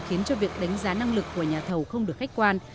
khiến cho việc đánh giá năng lực của nhà thầu không được khách quan